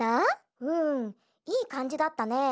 うんいいかんじだったね。